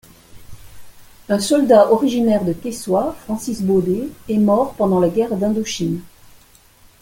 Un soldat originaire de Quessoy, Francis Baudet est mort pendant la Guerre d'Indochine.